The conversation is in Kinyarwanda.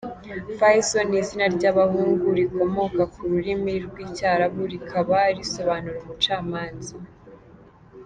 Faysal ni izina ry’abahungu rikomoka ku rurimi rw’Icyarabu rikaba risobanura “Umucamanza”.